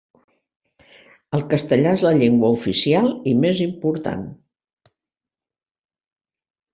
El castellà és la llengua oficial i més important.